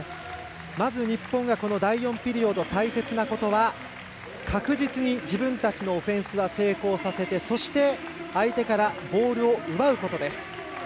まず日本が第４ピリオド大切なことは確実に自分たちのオフェンスを成功させて、そして相手からボールを奪うことです。